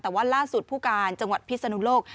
แต่ว่าล่าสุดผู้การจังหวัดพิศนุโลก